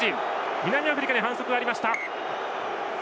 南アフリカに反則がありました。